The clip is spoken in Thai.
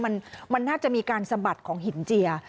มันน่าจะมีการสะบัดของหินเจีย